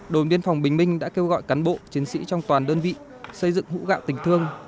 đồn biên phòng bình minh đã kêu gọi cán bộ chiến sĩ trong toàn đơn vị xây dựng hũ gạo tình thương